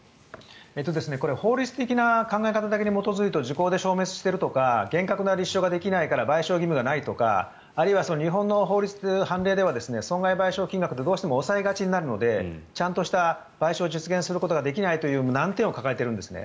これ法律的な考え方だけに基づくと時効が成立しているとか厳格な立証がないから賠償できないとかあるいは日本の法律の判例では損害賠償金額って抑えがちになるのでちゃんとした賠償を実現できないという難点を抱えているんですね。